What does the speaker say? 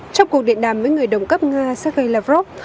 trong cuộc điện đàm với người đồng cấp nga sergei lavrov